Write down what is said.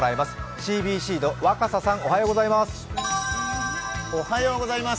ＣＢＣの若狭さん、おはようございます。